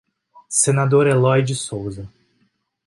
Senador Elói de Souza